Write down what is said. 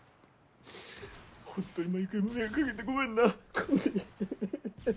本当に毎回迷惑かげてごめんな耕治。